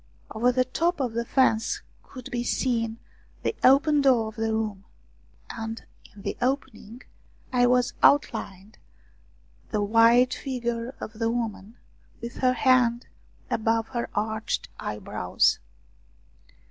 Over the top of the fence could be seen the open door of the room, and in the opening was outlined the white figure of the woman with her hand above her arched eyebrows.